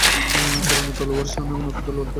পুরনো তলোয়ারে শান এবং নতুন তলোয়ার তৈরীর ধুম পড়ে যায়।